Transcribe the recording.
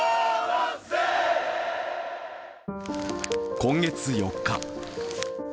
今月４日。